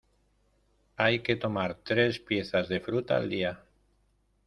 Hay que tomar tres piezas de fruta al día.